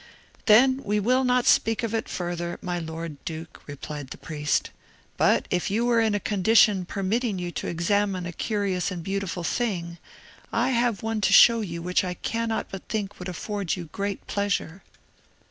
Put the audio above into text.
"Then we will not speak of it further, my lord duke," replied the priest; "but if you were in a condition permitting you to examine a curious and beautiful thing, I have one to show you which I cannot but think would afford you great pleasure."